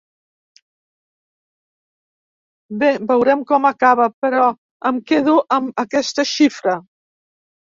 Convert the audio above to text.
Bé, veurem com acaba, però em quedo amb aquesta xifra.